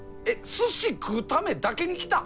すし食うためだけに来たん！？